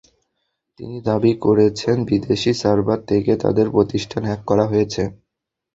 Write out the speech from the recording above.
তিনি দাবি করেছেন, বিদেশি সার্ভার থেকে তাঁদের প্রতিষ্ঠানে হ্যাক করা হয়েছে।